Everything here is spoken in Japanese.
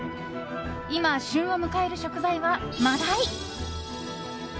今、旬を迎える食材は真鯛。